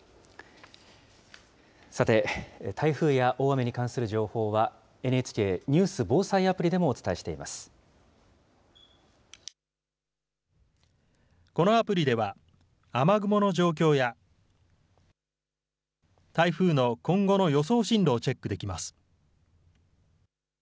さて、台風や大雨に関する情報は、ＮＨＫニュース・防災アプリでもこのアプリでは、雨雲の状況や、台風の今後の予想進路をチェックできます。